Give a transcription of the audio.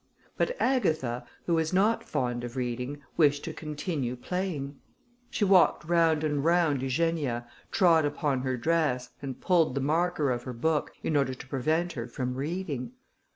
But Agatha, who was not fond of reading, wished to continue playing. She walked round and round Eugenia, trod upon her dress, and pulled the marker of her book, in order to prevent her from reading.